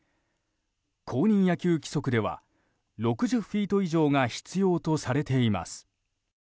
公認野球規則では６０フィート以上が必要とされています。